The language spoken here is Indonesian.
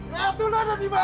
ratu lu ada dimana